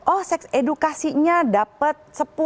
oh seks edukasinya dapat sepuluh